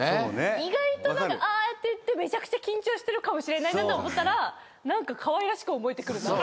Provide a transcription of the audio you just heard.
意外とああやって言ってめちゃくちゃ緊張してるかもしれないなと思ったら何かかわいらしく思えてくる。